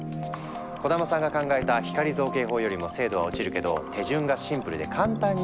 小玉さんが考えた光造形法よりも精度は落ちるけど手順がシンプルで簡単にできる。